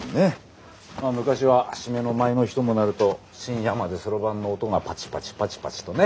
まあ昔は締めの前の日ともなると深夜までそろばんの音がパチパチパチパチとね？